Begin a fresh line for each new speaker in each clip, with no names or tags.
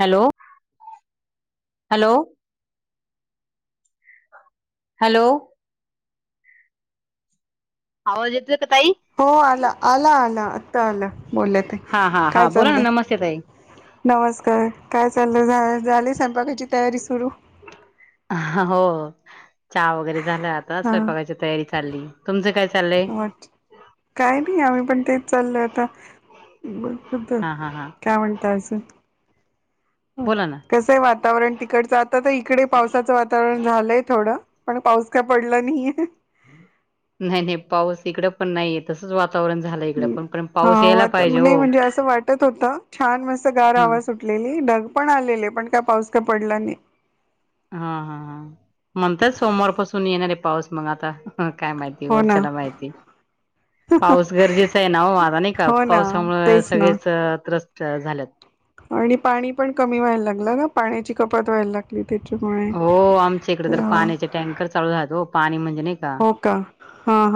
Hello hello! Hello! आवाज येतोय का ताई?
हो आला आला आला आता आलं बोललं ते
हा हा हा
काय
बोला ना
चाललंय?
नमस्ते ताई
नमस्कार काय चाललं झा झाले स्वयंपाकाची तयारी सुरू
हो चहा वगैरे झालं आता
हा
स्वयंपाकायच्या तयारी तयारी चालली तुमचं काय चाललंय?
च काय नाही आम्ही पण तेच चाललय आता बत
हा हा हा
[unintelligible] काय म्हणतय असं
बोला ना,
वातावरण तिकडचं आता तर इकडे पावसाचं वातावरण झालंय थोडं पण पाऊस काय पडला नाहीे
न्हाय न्हाय पाऊस इकडं पण नाय येत
हा
यायला
वा
पाहिजे हो
नाही म्हणजे असं वाटत होत छान मस्त गार
हम्म
हवा सुट सुटलेली ढग पण आलेले पण काय पाऊस काय पडला नाही.
हा हा हा म्हणतात सोमवार पासून येणार ये पाऊस मंग आता मंग काय माहित ते
हो ना
वरच्याला माहिती पाऊस गरजेचा आहे ना हो आता नाय का
हो ना
पावसामुळ
तेच ना
सगळेच त्रस्त झाल्यात
आणि पाणी पण कमी व्हायला लागलं नं पाण्याची कपात व्हायला ला गली त्याच्यामुळे
हो आमच्या इकडे तर
ला
पाण्याचे टँकर चालू झालेत हो पाणी म्हणजे नाही का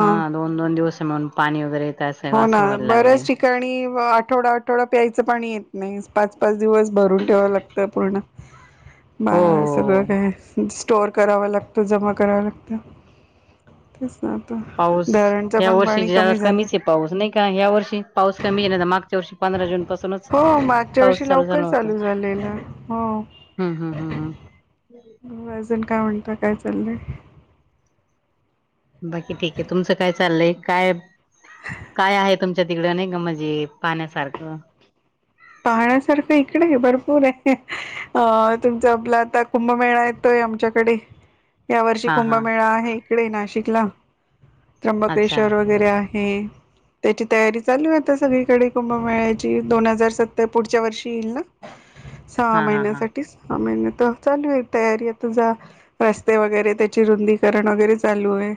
हा दोन दोन दिवस म्हणून पाणी वगैरे येत असे अस व्हायला लागलय.
ते आणि आठवडा आठवडा प्यायचं पाणी येत नाही पाच पाच दिवस भरून ठेवाव लागतं पूर्ण
[unintelligible]
बा सगळं
हो
काय स्टोअर करावं लागतं जमा करावं लागतं. तेच ना आता
पाऊस
धरणच
या
पण
वर्षी
पाणी
जरा
कमी झालं.
कमीच आहे पाऊस नाय का ह्या वर्षी पाऊस कमी ये ना त मागच्या वर्षी पंधरा जून पासूनच
हो मागच्या
पाऊस
वर्षी
चालू
लवकर
झाला होता.
झालेलं हो
हूं हूं हूं हूं
मग अजून काय म्हणता काय चाललंय
बाकी ठीकये तुमचं काय चाललंय काय काय आहे तुमच्या तिकडं नाय का म्हणजे पाहण्यासारखं
पाहण्यासारखं इकडे भरपूर ये अ तुमचा आपला आता कुंभमेळा येतोय आमच्याकडे
[inaudible]
या वर्षी
हा हा
कुंभमेळा आहे इकडे नाशिकला
अच्छा
त्र्यंबकेश्वर वगैरे आहे हे त्याची तयारी चालू ये आता सगळीकडे कुंभमेळ्याची दोन हजार स पुढच्या वर्षी येईल ना सहा
हा हा हा
महिन्यासाठी सहा महिने त चालू ये तयारी आ तुझा रस्ते वगैरे त्याचे रुंदीकरण वगैरे चालू ये.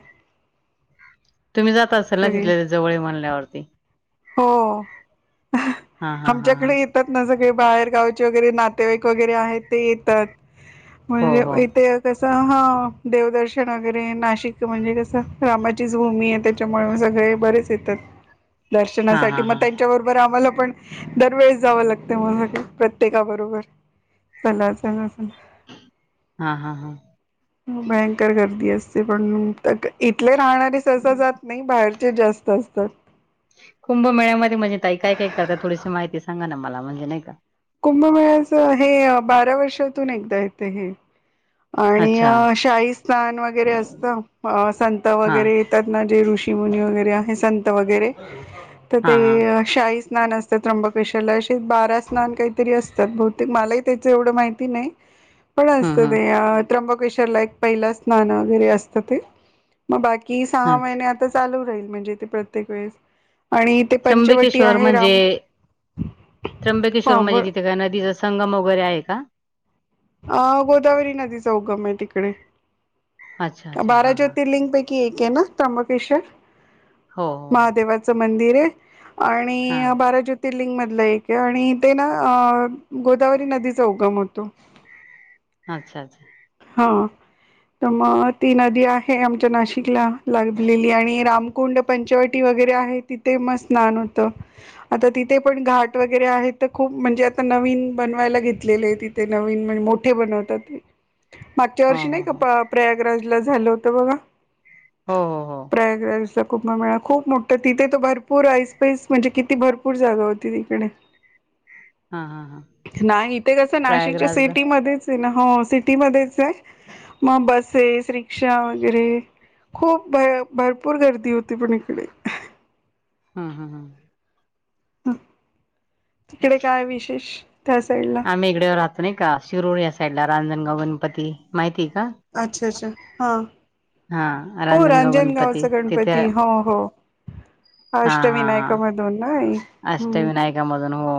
तुम्ही जात असाल ना तिथल्या तिथ जवळ हाय म्हणल्यावरती.
हो.
हा हा हा हा
आमच्याकडे येतात ना सगळे बाहेरगावचे वगैरे नातेवाईक वगैरे आहेत ते येतात
हो
म्हणजे
हो
इथे कस हा देवदर्शन वगैरे नाशिक म्हणजे कसं रामाचीच भूमी ये त्या त्याच्यामुळ सगळे बरेच येतात.
[unintelligible] हा
दर्शनासाठी
हा
म
हा
त्यांच्याबरोबर आम्हाला पण दरवेेळेस जावं लागतं म [unintelligible] प्रत्ये प्रत्येका बरोबर चला चला चला
हा हा हा
भयंकर गर्दी असते पण तर इथले राहणारे सहसा जात नाही बाहेरचे जास्त असतात.
कुंभ मेळ्यामध्ये म्हणजे ताई काय काय करतात थोडीशी माहिती सांगा ना मला म्हणजे नाही का
कुंभमेळाच हे बारा वर्षातून एकदा येतं हे आणि
अच्छा
शाहीस्थान वगैरे असतं अ संत
हा
वगैरे ये तात ना जे ऋषीमुनी वगैरे आहे संत वगैरे त
हा
ते
हा
शाही स्नान असतात त्र्यंभकेश्वरला असे बारा स्नान काहीतरी असतात बहुतेक मलाही त्याचं एवढं माहिती नाही.
[unintelligible]
पण असत
हम्म
ते अ त्र्यंबकेश्वर ला एक पहिलं स्नान वगैरे असतं ते मग बाकी सहा
अच्छा
महिने आता चालू राहील. म्हणजे ते प्रत्येक वेळेस आणि ते पंचवटी
त्र्यंबकेश्वर
आहे
म्हणजे,
राम
त्र्यंबकेश्वर
हा ब
म्हणजे तिथे का नदीच संगम वगैरे आहे का?
अ गोदावरी नदीचा उगम आहे तिकडे.
अच्छा अच्छा
बारा
हा हा
ज्योतिर्लिंग पैकी एक आहे ना, त्रंबकेश्वर.
हो हो.
महादेवाच मंदिर आहे. आणि
हा
बारा ज तिर्लिंग मधला एक आहे आणि ते ना अ गोदावरी नदीचा उगम होतो.
अच्छा अच्छा.
हा तर मग ती नदी आहे. आमच्या नाशिकला लागलेली आणि राम कुंड पंचवटी वगैरे आहे. तिथे मग स्नान होतं. आता तिथे पण घाट वगैरे आहे. तर खूप म्हणजे आता नवीन बनवायला घेतलेले आहे तिथ ते नवीन म्हणजे मोठे बनवतात ते. मागच्या
हो
वर्षी
हो
नाही
हो
का प्रयागराजला झालं होतं बघा.
हो-हो-हो.
प्रयागराज ला खूप मिळा खूप मोठं तिथे तर भरपूर आईस पईस म्हणजे किती भरपूर जागा होती तिकडे.
ह [inaudible]
नाही इथे कस नाशिकच्या
प्रयागराजला
सिटी मध्येच आहे. ना हो स सिटी मध्येच आहे. मग बसेस, रिक्षा वगैरे खूप भ भरपूर गर्दी होती पण इकडे.
हम-हम-हम.
तिकडे काय विशेष त्या साईड ला.
मी ईकडे राहते नाही का शिरोर या साईड ला रांजणगाव गणपती माहितीय का?
अच्छा अच्छा हा.
हा रांजणगाव गणपती तिथे
अ हो. अष्टविनायकामधून ना हे.
हा-हा-हा अष्ट
हम्म.
विनायकामधून हो.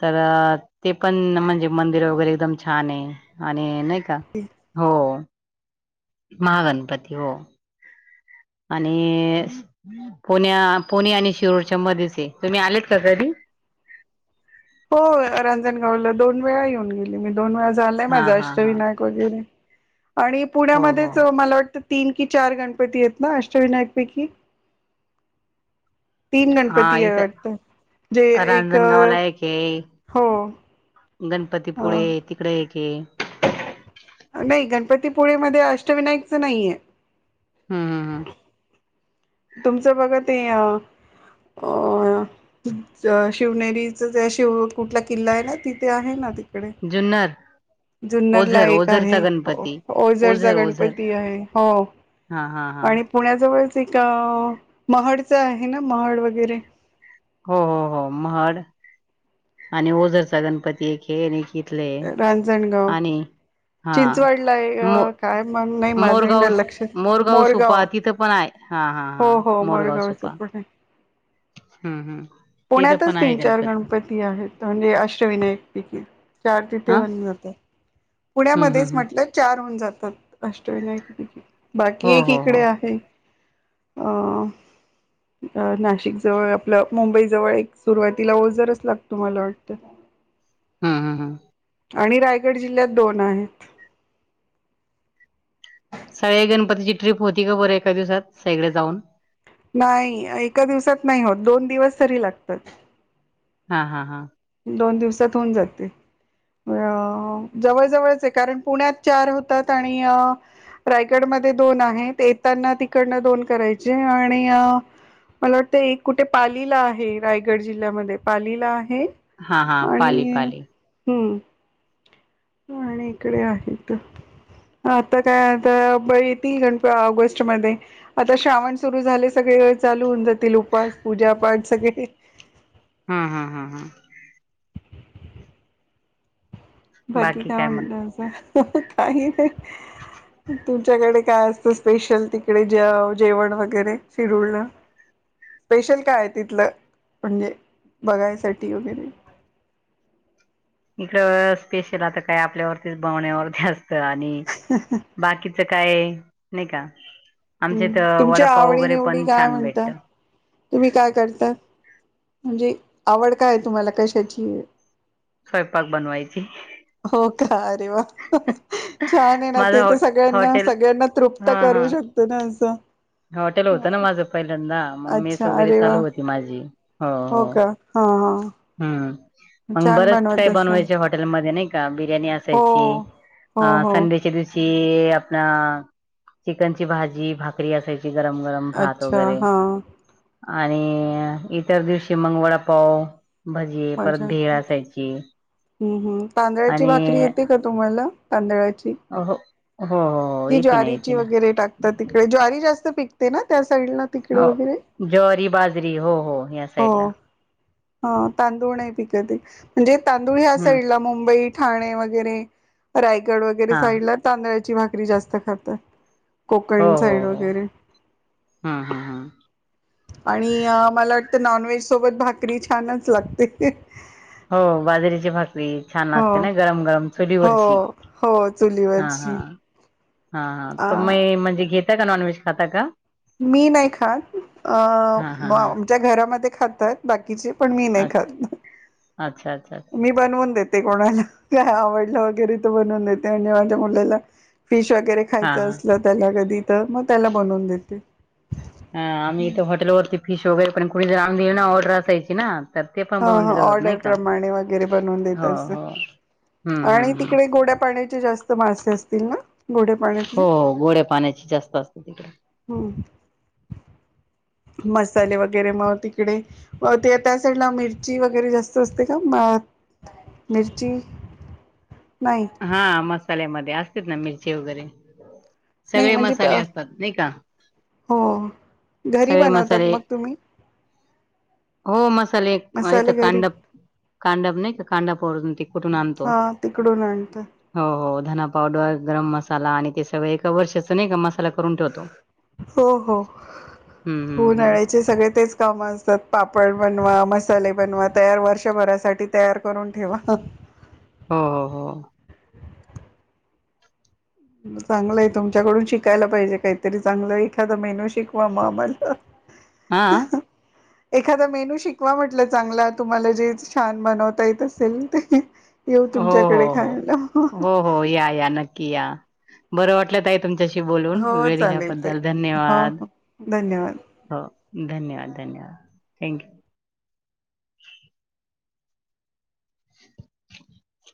तर ते पण म्हणजे मंदिर वगैरे एकदम छान आहे आणि नाही का का हो महागणपती हो. आणि पुण्या पुणे आणि शिरोरच्या मध्येच तुम्ही आलेत का कधी?
हो रांजणगावला दोन वेळा येऊन गेले. मी दोन वेळा झालाय
हा
माझ
हा हा
अष्टविनायक वगैरे आणि
हो हो
पुण्यामध्येच मला वाटत तीन की चार गणपती आहेत ना अष्टविनायक पैकी तीन
हा
गणपती आहे
इथं
वाटत, जे एक
हे
हो.
गणपतीपुळे तिकडे एक आहे.
नाही गणपतीपुळे मध्ये अष्टविनायकचं नाहीये.
हम-हम-हम
तुमचं बघा ते अ अ शिवनेरीच जे शिव कुठला किल्ला आहे ना तिथे आहे ना. तिकडे
जुन्नर.
जुन्नरला
ओझर
एक
ओझरचा
आहे
गणपती
ओझरचा
ओझर, ओझर.
गणपती आहे हो
हा-हा-हा.
आणि पुण्याजवळच आहे का? महाडच आहे ना महाड वगैरे
हो-हो-हो महड आणि ओझरचा गणपती एक आहे. आणि इथले आहे.
रांजणगाव
आणि हा
चिंचवडला
मो
आहे, काय मग नाही माझंही
मोरगाव
ना लक्षात
मोरगाव सोपा तिथं पण आहे. हा हा हा
हो हो
मोरगाव सो,
मोरगावचं पण आहे
हम्म हम्म. तिथं पण
पुण्यातच
आहे
तीन चार गणपती आहेत म्हणजे अष्टविनायक पैकी चार तिथेच
हा
होऊन जातात.
हम्म हम्म
पुण्यामध्येच
हम्म
म्हटलं चार होऊन जातात. अष्टविनायक पैकी,
हो
बाकी एक
हो हो
इकडे आहे अ अ नाशिक जवळ आपलं मुंबई जवळ एक सुरुवातीला ओझरच लागतो मला वाटतय.
हम हम हम
आणि रायगड जिल्ह्यात दोन आहेत.
सगळ्या गणपतीची ट्रिप होती का बरं एका दिवसात, सगळीकड जाऊन.
नाही एका दिवसात नाही होत दोन दिवस तरी लागतात.
हा हा हा
दोन दिवसात होऊन जाते. अ जवळजवळच आहे कारण पुण्यात चार होतात आणि अ- रायगडमध्ये दोन आहेत येताना तिकडनं दोन करायचे आणि- मला वाटतं एक कुठे पालीला आहे रायगड जिल्ह्यामध्ये पालीला आहे.
हा हा पाली
आणि
पाली
हु आणि इकडे आहेत आता काय आता ब ती गणप ऑगस्टमध्येध्ये आता श्रावण सुरू झाले सगळे चालून जातील उपवास पूजापाठ सगळे ह
ह हा हा हा
बाकी काय म्हणताय असं, काही नाही. तुमच्याकडे काय असतं स्पेशल तिकडे जेवण वगैरे शिरुळ ला.
ह [inaudible]
स्पेशल काय आहे तिथलं, म्हणजे बघायसाठी वगैरे.
इकडे स्पेशल आता काय आपल्यावरतीच बवण्यावरती असत आणि- बाकीचं काय, नाही का आमच्या
हम्
इथ
तुमच्या
वडापाव
आवडी
वगैरे
निवडी
पण
काय
छान
म्हणताय
भेटत
तुम्ही काय करताय म्हणजे आवड काय तुम्हाला कशाची हाय
स्वयंपाक बनवायची
हो का अरे वा छान आहे ना
माझं
ते
हॉ
तर सगळ्यांना
हॉटेल
सगळ्यांना तृप्त
हा
करू
हा
शकत ना असं
हॉटेल होतं ना माझ पहिल्यांदा मग मेस
अच्छा
वगैरे
अरे
चालु
वा
होती माझी हो हो
का हा हा
हुम मग
छान
बरच
बनवत
काय
असाल
बनवायचे हॉटेलमध्ये नाही का बिर्याणी अस
हो
आसायची
हो
अ
हो
संडे च्या दिवशी कि आपणा चिकनची भाजी भाकरी असायची गरम गरम भात
अच्छा
वगैरे
हा
आणि इतर दिवशी मंग वडा पाव भजीे परत भेळ असायची
हम् हम् तांदळाची
आणि
भाकरी येते का तुम्हाला तांदळाची
अ हो हो
की
येते ना येते
ज्वारीची
ना
वगैरे टाकतात तिकडे ज्वारी जास्त पिकते ना त्या साईडला तिकडे
हो
वगैरे
ज्वारी बाजरी हो हो या
हो
साईडला
ह तांदूळ नाही पिक ते म्हणजे तांदूळ ह्या
हम्म
साईडला मुंबई ठाणे वगैरे रायगड वगैरे
हा
साईड ला तांदळाची भाकरी जास्त खातात
हो
कोकण
हो
साईड
हो
वगैरे
हम्म हम्म हम्म
आणि मला वाटतं नॉनव्हेज सोबत भाकरी छानच लागते ह ह-
हो बाजरीची भाकरी छान
हो
लागते ना गरम -गरम चुलीवररची
हो हो
हा -हा.
चुलीवरची
हा -हा
अ
तुम्हीं म्हणजे घेता -का नॉनव्हेज खाता का?
मी नाही खात अ
हा हा
ब
हा
आमच्या घरामध्ये खातात. बाकीचे, पण मी नाही
अच्छा
खात.
अच्छा -अच्छा.
मी बनवून देते कोणाला काय आवडलं [inaudible] वगैरे त बनवून देते म्हणजे माझ्या मुलाला फिश वगैरे
हा
खायचं
हा
असलं त्याला कधी तर मग त्याला बनवून देते.
हा आम्ही इथे हॉटेलवरती फिश वगैरे पण कुणी जण आमी ना ऑर्डर असायची ना. तर ते पण
हा-
बनवून
हा
देत होतात
ऑर्डर
नाही का
प्रमाणे वगैरे बनवून देत
हो
अस.
हो हम्म
आणि
हम्म हम्म
तिकडे गोड्या पाण्याचे जास्त मासे असतील ना? गोड्या पाण्यातले
हो गोड्या पाण्याची जास्त असतेत ईकड.
हम्म मसाले वगैरे मग तिकडे म ते त्या साईडला मिरची वगैरे जास्त असते का? म- मिरची नाही.
हा मसाल्यामध्ये असतेत ना मिरची वगैरे.
नाही
सगळे मसाले
म्हणजे
असतात नाही का
हो घरी
सगळे
बनवतात
मसाले
मग तुम्ही
हो मस साले इथं
मसाले घरी
कांडप- कांडप नाही का कांडपरून त कुठून आणतो.
पंत [unintelligible]
हो -हो धना पावडर, गरम मसाला आणि ते सगळ एका वर्षाच नाही मसाला करून ठेवतो.
हो- हो
हम्म
[inaudible]
हम्म हम्म
उन्हाळ्याचे सगळे तेच काम असतात पापड बनवा, मसाले बनवा तयार वर्षभरासाठी तयार करून ठेवा. [inaudible]
हो- हो.
म चांगलंय तुमच्याकडून शिकायला पाहिजे काहीतरी चांगलं एखादा मेनू शिकवा मग आम्हाला [inaudible]
आ हा.
एखादा मेनू शिकवा म्हटलं चांगला तुम्हाला जे छान बनवता येत असेल ते [inaudible] येऊ
हो
तुमच्याकडे
हो हो.
खायाला
हो
[inaudible]
हो या -या नक्की या बरं वाटलं ताई तुमच्याशी बोलून
हो
वेळ
चालेल ताई
दिल्याबद्दल
हो
धन्यवाद.
हो धन्यवाद
हो, धन्यवाद -धन्यवाद थँक्यू. [inaudible]